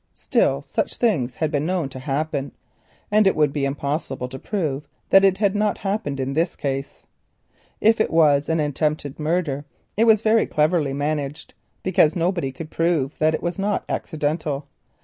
Still, such things have been known to happen, and it would be very difficult to prove that it had not happened in this case. If it should be attempted murder it was very cleverly managed, because nobody could prove that it was not accidental.